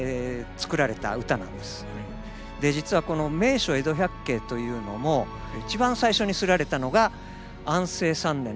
実はこの「名所江戸百景」というのも一番最初に刷られたのが安政３年の２月なんです。